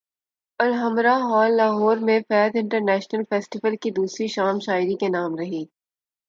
Alhamra hall Lahore میں Faiz international festival کی دوسری شام شاعری کے نام رہی